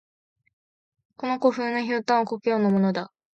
この古風な酒瓢は故郷のものだ。